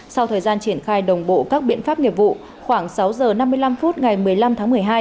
sau thời gian triển khai đồng bộ các biện pháp nghiệp vụ khoảng sáu h năm mươi năm phút ngày một mươi năm tháng một mươi hai